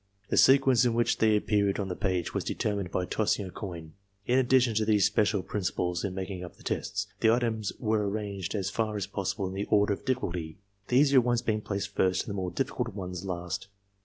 The sequence in which they appeared on the page was determined by tossing a coin. In addition to these special principles in making up the tests, the items were arranged as far as possible in the order of diflSculty, the easier ones being placed first and the more difiicult ones last.